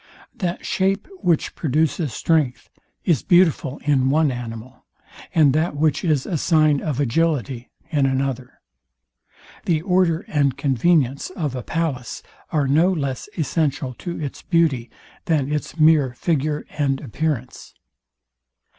That shape, which produces strength, is beautiful in one animal; and that which is a sign of agility in another. The order and convenience of a palace are no less essential to its beauty, than its mere figure and appearance.